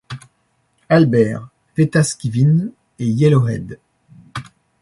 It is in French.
Albert, Wetaskiwin et Yellowhead.